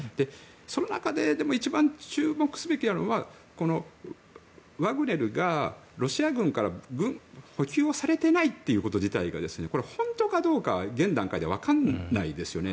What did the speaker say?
その中ででも一番注目すべきなのはワグネルがロシア軍から補給をされていないということ自体が本当かどうか現段階では分からないですよね。